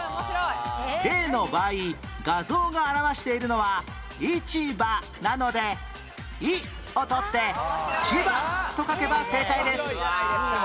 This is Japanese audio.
例の場合画像が表しているのは「市場」なので「い」を取って「千葉」と書けば正解です